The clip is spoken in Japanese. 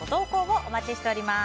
お待ちしております。